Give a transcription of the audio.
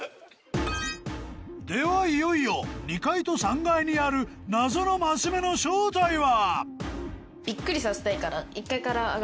ではいよいよ２階と３階にある謎のマス目の正体は！？